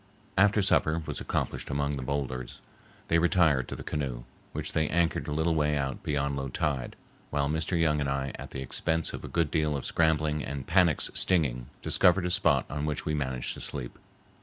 After supper was accomplished among the boulders, they retired to the canoe, which they anchored a little way out, beyond low tide, while Mr. Young and I at the expense of a good deal of scrambling and panax stinging, discovered a spot on which we managed to sleep.